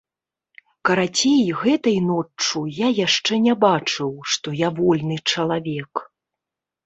Карацей, гэтай ноччу я яшчэ не бачыў, што я вольны чалавек.